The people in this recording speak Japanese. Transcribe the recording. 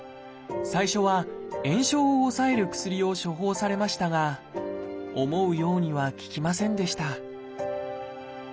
最初は炎症を抑える薬を処方されましたが思うようには効きませんでした